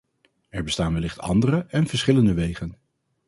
Er bestaan wellicht andere en verschillende wegen.